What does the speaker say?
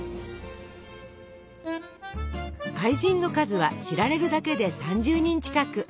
愛人の数は知られるだけで３０人近く。